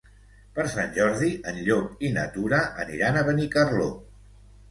Per Sant Jordi en Llop i na Tura aniran a Benicarló.